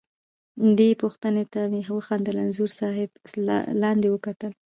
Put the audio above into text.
دې پوښتنې ته مې وخندل، انځور صاحب لاندې وکتل.